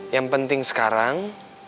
yang penting sekarang